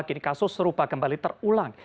kini kasus serupa kembali terulang